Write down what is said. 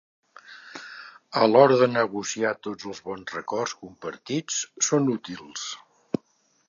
A l'hora de negociar tots els bons records compartits són útils.